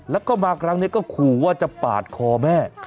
แล้วก็มาครั้งนี้ก็ขู่ว่าจะปาดคอแม่